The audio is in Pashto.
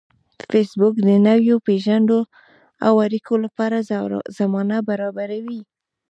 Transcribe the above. فېسبوک د نویو پیژندنو او اړیکو لپاره زمینه برابروي